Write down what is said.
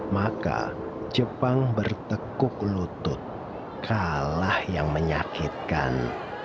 maka jepang bertekuk lutut kalah yang menyakitkan